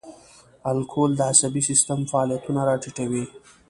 الکول د عصبي سیستم فعالیتونه را ټیټوي.